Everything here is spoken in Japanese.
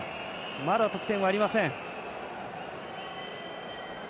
まだ得点はありません。